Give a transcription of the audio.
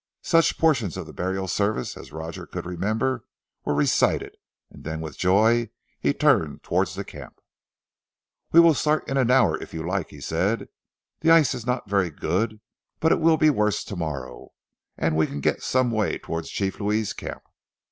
Such portions of the burial service as Roger could remember were recited, and then with Joy, he turned towards the camp. "We will start in an hour, if you like," he said. "The ice is not very good, but it will be worse tomorrow, and we can get some way towards Chief Louis' camp.